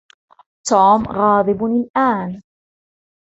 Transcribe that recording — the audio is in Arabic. توم غاضب الآن.